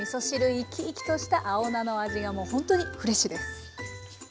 生き生きとした青菜の味がもうほんとにフレッシュです。